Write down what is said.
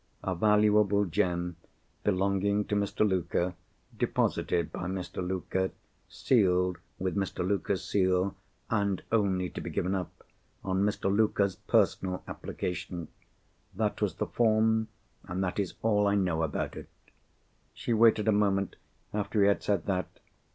A valuable gem, belonging to Mr. Luker; deposited by Mr. Luker; sealed with Mr. Luker's seal; and only to be given up on Mr. Luker's personal application. That was the form, and that is all I know about it." She waited a moment, after he had said that.